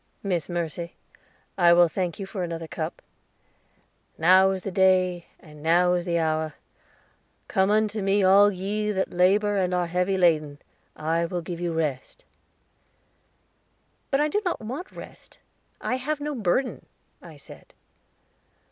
"Miss Mercy, I will thank you for another cup. 'Now is the day, and now is the hour; come unto me all ye that labor and are heavy laden, I will give you rest.'" "But I do not want rest; I have no burden," I said.